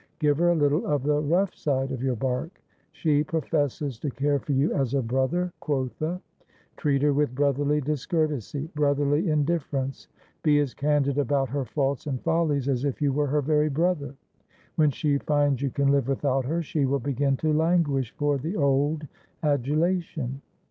Give her a little of the rough side of your bark. She professes to care for you as a brother, quotha ! Treat her with brotherly discourtesy — brotherly indifference. Be as candid about her faults and follies as if you were her very brother. When she finds you can live without her she will begin to languish for the old adulation.'